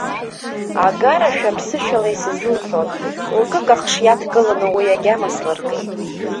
Агарашәа аԥсышәала исзылҳәон, лкыкахш иадкыланы уи агьама слыркит.